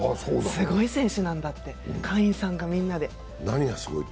すごい選手なんだって会員さんがみんなで。